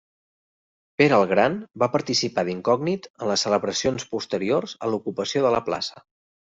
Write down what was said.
Pere el Gran va participar d'incògnit en les celebracions posteriors a l'ocupació de la plaça.